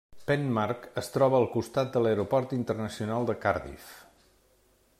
Pen-marc es troba al costat de l'Aeroport Internacional de Cardiff.